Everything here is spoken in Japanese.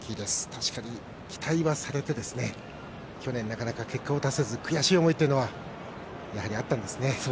確かに、期待はされてですね去年、なかなか結果を出せず悔しい思いというのはやはりあったんですね。